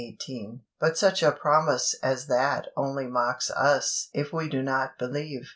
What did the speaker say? But such a promise as that only mocks us if we do not believe.